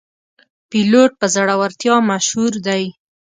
پیلوټ په زړورتیا مشهور دی.